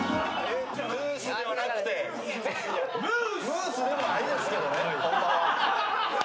ムースでもないですけどねホンマは。